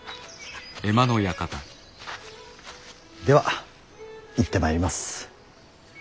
では行ってまいります。